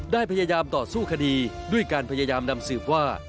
ได้พยายามต่อสู้คดีด้วยการพยายามนำสืบว่า